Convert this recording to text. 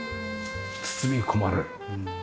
包み込まれる。